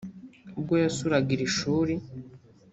ubwo yasuraga iri shuri